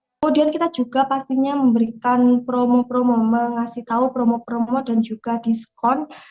kemudian kita juga pastinya memberikan promo promo mengasih tahu promo promo dan juga diskon